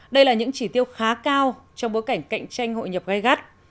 đây là những chỉ tiêu khá cao trong bối cảnh cạnh tranh hội nhập gây gắt